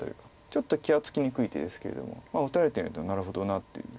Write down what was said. ちょっと気が付きにくい手ですけれども打たれてみるとなるほどなっていう。